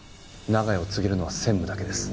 長屋を継げるのは専務だけです。